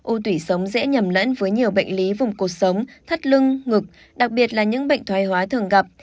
u tủy sống dễ nhầm lẫn với nhiều bệnh lý vùng cột sống thắt lưng ngực đặc biệt là những bệnh thoái hóa thường gặp